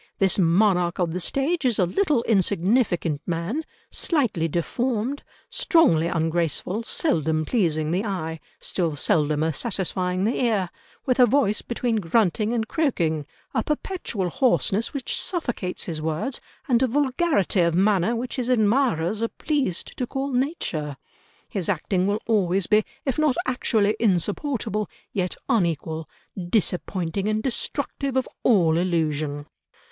This monarch of the stage is a little insignificant man, slightly deformed, strongly ungraceful, seldom pleasing the eye, still seldomer satisfying the ear—with a voice between grunting and croaking, a perpetual hoarseness which suffocates his words, and a vulgarity of manner which his admirers are pleased to call nature ... his acting will always be, if not actually insupportable, yet unequal, disappointing and destructive of all illusion."